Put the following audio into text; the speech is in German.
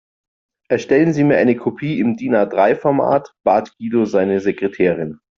Erstellen Sie mir eine Kopie im DIN-A-drei Format, bat Guido seine Sekretärin.